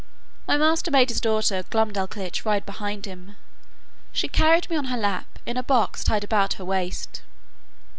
My master made his daughter Glumdalclitch ride behind him. She carried me on her lap, in a box tied about her waist.